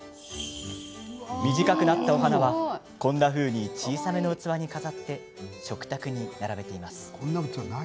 短くなったお花はこんなふうに小さめの器に飾って食卓に並べています。